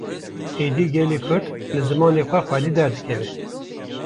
Êdî gelê Kurd, li zimanê xwe xwedî derdikeve